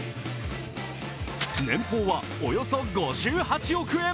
年俸はおよそ５８億円。